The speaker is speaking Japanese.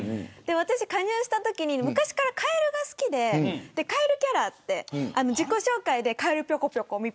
私、加入したときに昔からカエルが好きでカエルキャラと自己紹介でかえるぴょこぴょこみ